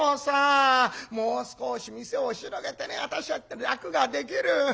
もう少し店を広げてね私だってね楽ができる。